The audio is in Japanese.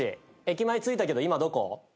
駅前着いたけど今どこ？